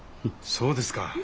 そうですか。